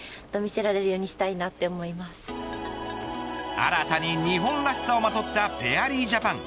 新たに日本らしさをまとったフェアリージャパン。